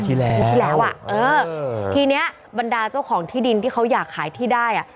ทีแล้วทีนี้บรรดาเจ้าของที่ดินที่เขาอยากขายที่ได้